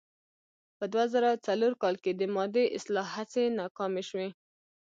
په دوه زره څلور کال کې د مادې اصلاح هڅې ناکامې شوې.